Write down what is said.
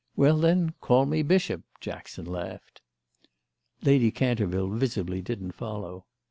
Well, then, call me Bishop!" Jackson laughed. Lady Canterville visibly didn't follow.